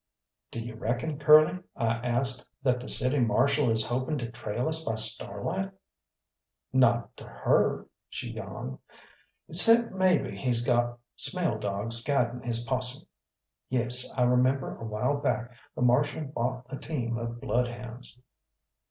"D'you reckon, Curly," I asked, "that the City Marshal is hoping to trail us by starlight?" "Not to hurt," she yawned, "'cept maybe he's got smell dogs guidin' his posse. Yes, I remember a while back the Marshal bought a team of blood hounds."